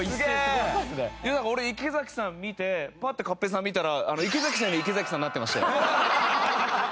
なんか俺池崎さん見てパッて勝平さん見たら池崎さんより池崎さんになってましたよ。